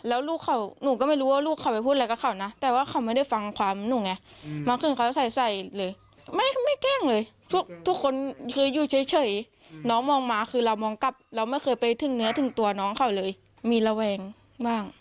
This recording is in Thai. แล้วไม่เคยไปถึงเนื้อถึงตัวน้องเขาเลยมีระวังบ้าง